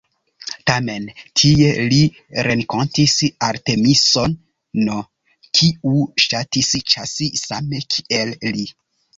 Tamen tie li renkontis Artemiso-n, kiu ŝatis ĉasi same, kiel li.